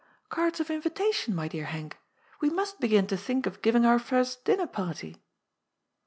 Cards of invitation, my dear Henk. We must begin to think of giving our first dinner party."